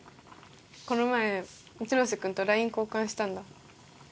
この前一ノ瀬君とＬＩＮＥ交換したんだ